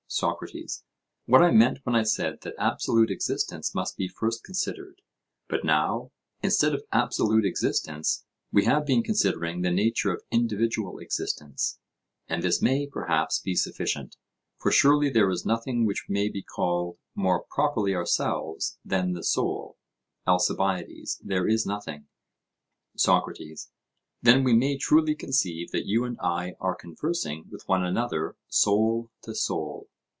SOCRATES: What I meant, when I said that absolute existence must be first considered; but now, instead of absolute existence, we have been considering the nature of individual existence, and this may, perhaps, be sufficient; for surely there is nothing which may be called more properly ourselves than the soul? ALCIBIADES: There is nothing. SOCRATES: Then we may truly conceive that you and I are conversing with one another, soul to soul?